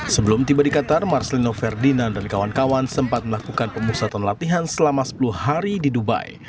sebelum tiba di qatar marcelino ferdinand dan kawan kawan sempat melakukan pemusatan latihan selama sepuluh hari di dubai